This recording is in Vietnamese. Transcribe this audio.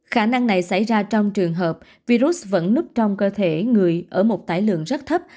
khả năng này xảy ra trong trường hợp virus vẫn núp trong cơ thể người ở một tải lượng rất thấp